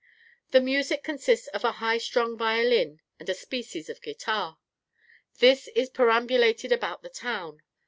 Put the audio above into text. The music consists of a high strung violin and a species of guitar. This is perambulated about the town.